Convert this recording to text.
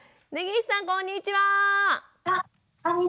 根岸さんこんにちは！